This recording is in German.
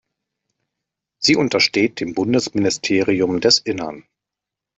Sie untersteht dem Bundesministerium des Innern.